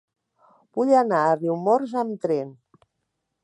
Vull anar a Riumors amb tren.